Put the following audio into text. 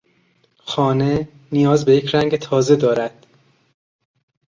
خانه نیاز به یک رنگ تازه دارد.